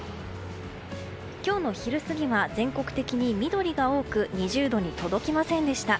今日の昼過ぎは全国的に緑が多く２０度に届きませんでした。